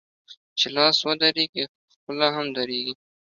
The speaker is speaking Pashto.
چي لاس و درېږي ، خوله هم درېږي.